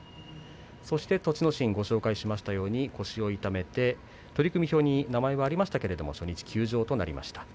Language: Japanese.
そして栃ノ心、ご紹介したように腰を痛めて取組表に名前がありましたが初日、休場となりました。